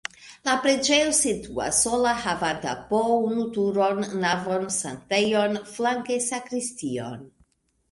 La preĝejo situas sola havanta po unu turon, navon, sanktejon, flanke sakristion.